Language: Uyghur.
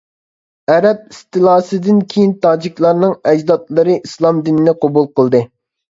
ئەرەب ئىستېلاسىدىن كېيىن تاجىكلارنىڭ ئەجدادلىرى ئىسلام دىنىنى قوبۇل قىلدى.